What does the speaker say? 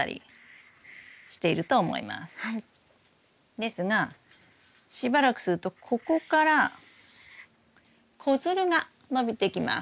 ですがしばらくするとここから子づるが伸びてきます。